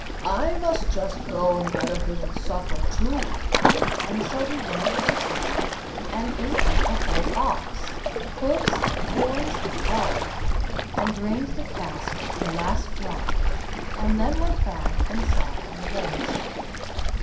I must just go and get a bit of supper too;" and so he went to the table and ate up the whole ox hoofs, and horns, and all and drained the cask to the last drop, and then went back and sat on the bench.